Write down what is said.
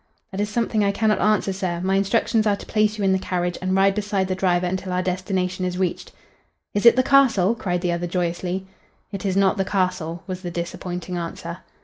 "That is something I cannot answer, sir. My instructions are to place you in the carriage and ride beside the driver until our destination is reached." "Is it the castle?" cried the other, joyously. "It is not the castle," was the disappointing answer.